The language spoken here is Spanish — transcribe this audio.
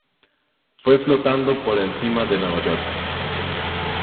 Fue flotando por encima de Nueva York.